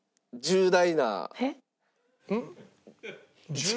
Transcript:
「重大な」？